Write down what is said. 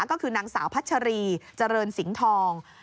ก็คือนางสาวพัชรีเจริญสิงห์ทอง